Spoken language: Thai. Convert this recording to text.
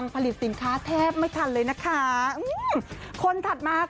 ผลิตสินค้าแทบไม่ทันเลยนะคะ